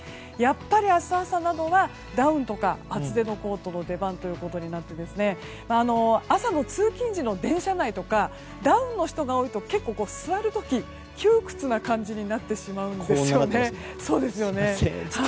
やっぱり明日朝などはダウンとか厚手のコートの出番ということになって朝の通勤時の電車内とか、ダウンの人が多いと座る時に窮屈な感じになってしまうんですよね。